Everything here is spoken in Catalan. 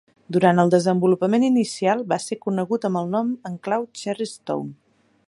Durant el desenvolupament inicial va ser conegut amb el nom en clau "Cherry Stone".